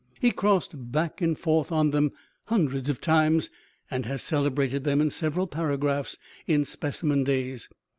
He crossed back and forth on them hundreds of times and has celebrated them in several paragraphs in Specimen Days.